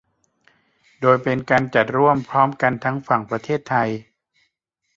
โดยเป็นการจัดร่วมพร้อมกันทั้งฝั่งประเทศไทย